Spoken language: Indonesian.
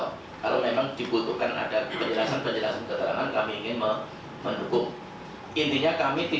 kalau memang dibutuhkan ada penjelasan penjelasan keterangan kami ingin mendukung